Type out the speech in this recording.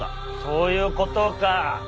そういうことか。